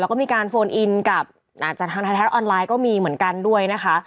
แล้วก็มีการโฟนอินกับอาจจะทางไทยรัฐออนไลน์ก็มีเหมือนกันด้วยนะคะ